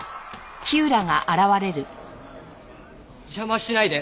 邪魔しないで。